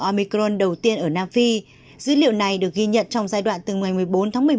omicron đầu tiên ở nam phi dữ liệu này được ghi nhận trong giai đoạn từ ngày một mươi bốn tháng một mươi một